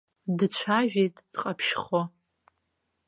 Дцәажәеит дҟаԥшьхо.